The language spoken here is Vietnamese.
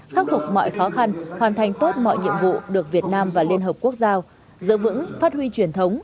khắc phục mọi khó khăn hoàn thành tốt mọi nhiệm vụ được việt nam và liên hợp quốc giao giữ vững phát huy truyền thống